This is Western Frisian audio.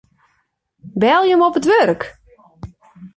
Belje him op it wurk.